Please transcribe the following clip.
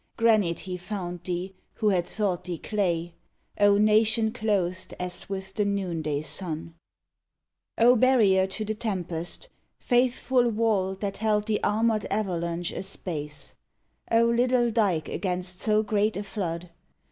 Granite he found thee, who had thought thee clay, O nation clothed as with the noonday sun ! O barrier to the tempest ! Faithful wall That held the armored avalanche a space ! O little dyke against so great a flood!